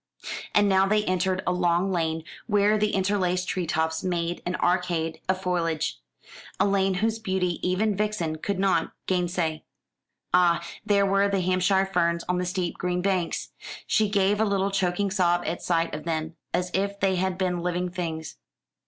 And now they entered a long lane, where the interlaced tree tops made an arcade of foliage a lane whose beauty even Vixen could not gainsay. Ah, there were the Hampshire ferns on the steep green banks! She gave a little choking sob at sight of them, as if they had been living things.